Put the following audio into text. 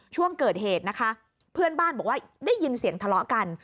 ช่วงเกิดเหตุนะคะเพื่อนบ้านบอกว่าได้ยินเสียงทะเลาะกัน